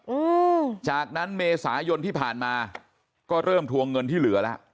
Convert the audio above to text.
อืมจากนั้นเมษายนที่ผ่านมาก็เริ่มทวงเงินที่เหลือแล้ว